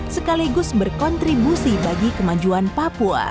sekaligus berkontribusi bagi kemajuan papua